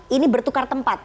ini bertukar tempat